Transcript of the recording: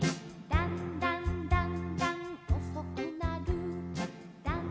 「だんだんだんだんとおざかる」